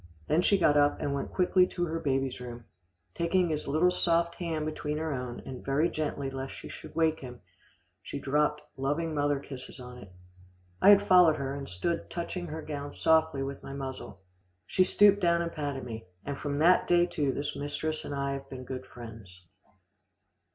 Then she got up, and went quickly to her baby's room. Taking his little soft hand between her own, and very gently lest she should wake him, she dropped loving mother kisses on it. I had followed her, and stood touching her gown softly with my muzzle. She stooped down and patted me, and from that day to this mistress and I have been good friends.